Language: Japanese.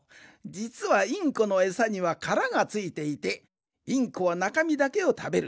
じつはインコのえさにはカラがついていてインコはなかみだけをたべる。